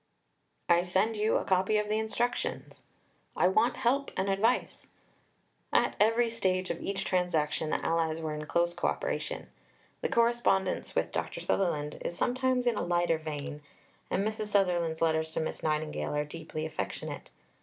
"I send you a copy of the Instructions." "I want help and advice." At every stage of each transaction the allies were in close co operation. The correspondence with Dr. Sutherland is sometimes in a lighter vein, and Mrs. Sutherland's letters to Miss Nightingale are deeply affectionate.